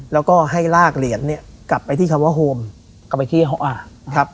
แล้วก็ให้ลากเหรียญเนี้ยกลับไปที่คำว่าครับ